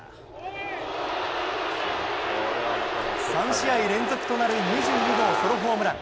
３試合連続となる２２号ソロホームラン。